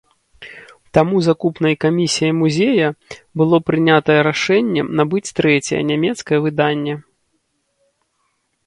Таму закупнай камісіяй музея было прынятае рашэнне набыць трэцяе нямецкае выданне.